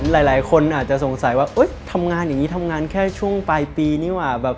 หลายคนอาจจะสงสัยว่าทำงานอย่างนี้ทำงานแค่ช่วงปลายปีนี่หว่าแบบ